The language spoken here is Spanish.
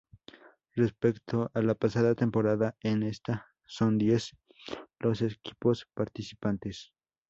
Respecto a la pasada temporada, en esta son diez los equipos participantes.